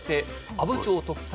阿武町特産